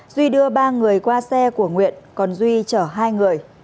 duy đưa ba người qua xe của nguyện còn duy chở hai người